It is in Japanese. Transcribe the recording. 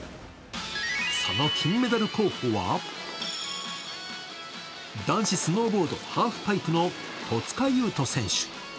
その金メダル候補は、男子スノーボード・ハープパイプの戸塚優斗選手。